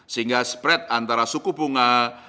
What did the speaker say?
sehingga spread antara suku bunga